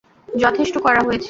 যথেষ্ট করা হয়েছে।